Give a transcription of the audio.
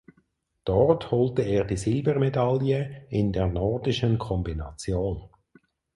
Dort holte er die Silbermedaille in der Nordischen Kombination.